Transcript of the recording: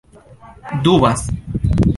dubas